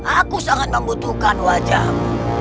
aku sangat membutuhkan wajahmu